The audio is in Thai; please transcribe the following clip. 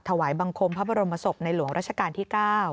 ถวายบังคมพระบรมศพในหลวงราชการที่๙